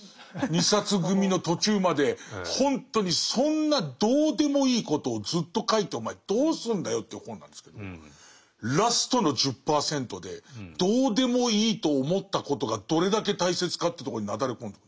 ２冊組の途中までほんとにそんなどうでもいいことをずっと書いてお前どうすんだよっていう本なんですけどラストの１０％でどうでもいいと思ったことがどれだけ大切かというとこになだれ込んでくんですよ。